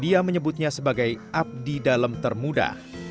rizki juga menyebutnya sebagai abdi dalam termuda